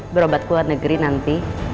berobat keluar negeri nanti